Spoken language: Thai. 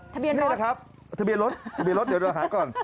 ทะเบียนรถทะเบียนรถเดี๋ยวเราหาก่อน